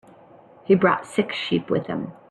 He brought six sheep with him.